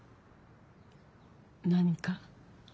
何か？